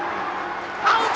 アウト！